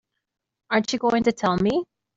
Aren't you going to tell me?